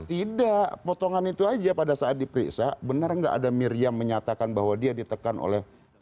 tidak potongan itu aja pada saat diperiksa benar nggak ada miriam menyatakan bahwa dia ditekan oleh